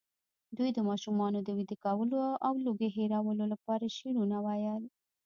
دوی د ماشومانو د ویده کولو او لوږې هېرولو لپاره شعرونه ویل.